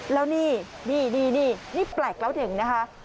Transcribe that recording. แล้วนี่นี่แปลกแล้วเด่นนะคะ